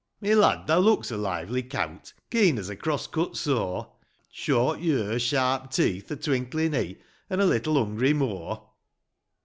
" VII. " My lad, thou looks a lively cowt ; Keen as a cross cut saw ; Short yure, sharp teeth, a twinklin' e'e, An' a little hungry maw !